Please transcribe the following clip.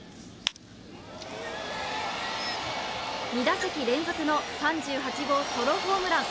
２打席連続の３８号ソロホームラン。